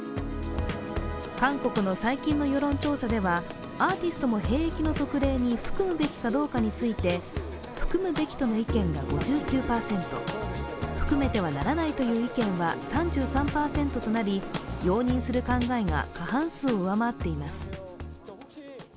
韓国の最近の世論調査では、アーティストも兵役の特例に含むべきかどうかについて含むべきとの意見が５９％、含めてはならないという意見は３３％となり、容認する考えが過半数を上回っています。